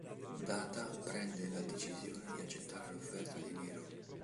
Data prende la decisione di accettare l'offerta di Nero.